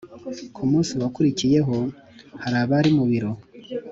kumunsi wakurikiyeho hari abari mu biro